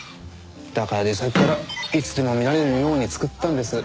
だから出先からいつでも見られるように作ったんです。